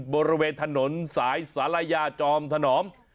บริเวณถนนสายศาลายาจอมถนอม